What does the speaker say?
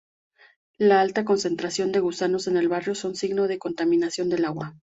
La alta concentración de gusanos en el barro son signo de contaminación del agua.